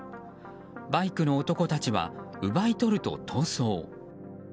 バイクの男たちは奪い取ると逃走。